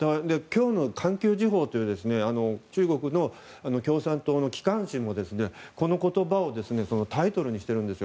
環球時報という中国共産党の機関紙もこの言葉をタイトルにしているんです。